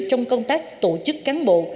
trong công tác tổ chức cán bộ